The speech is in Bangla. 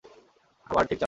আবার ঠিক চালাও!